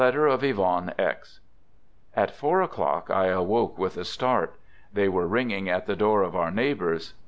•. At four o'clock, I awoke with a start. They were ringing at the door of our neighbors.